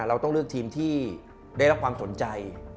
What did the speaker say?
เราต้องเลือกทีมที่ได้รับความสนใจ